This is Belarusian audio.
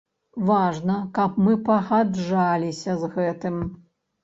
Важна, каб мы пагаджаліся з гэтым.